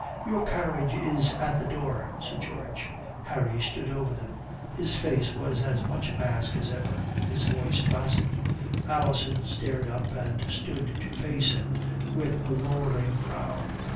"Your carriage is at the door, Sir George." Harry stood over them. His face was as much a mask as ever, his voice placid. Alison started up and stood to face him with a lowering brow.